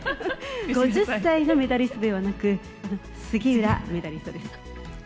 ５０歳のメダリストではなく、杉浦メダリストです。